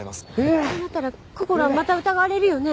そうなったらこころはまた疑われるよね？